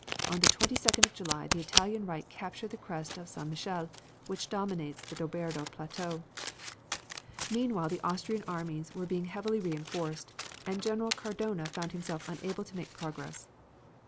On the 22d of July the Italian right captured the crest of San Michele, which dominates the Doberdo plateau. Meanwhile the Austrian armies were being heavily reinforced, and General Cadorna found himself unable to make progress.